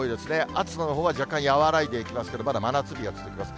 暑さのほうは若干和らいでいきますけれども、まだ真夏日が続きます。